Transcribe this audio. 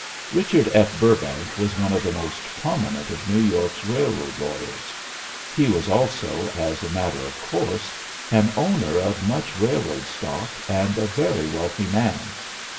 Richard F. Burrbank was one of the most prominent of New York's railroad lawyers; he was also, as a matter of course, an owner of much railroad stock, and a very wealthy man.